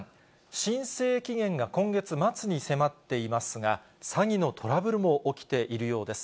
申請期限が今月末に迫っていますが、詐欺のトラブルも起きているようです。